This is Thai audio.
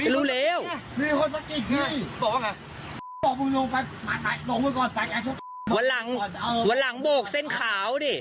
รู้แล้วมีคนศักดิ์ไงบอกล่ะวันหลังโบกเส้นขาวดิ